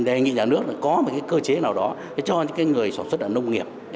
đề nghị nhà nước có mấy cơ chế nào đó cho những người sản xuất nông nghiệp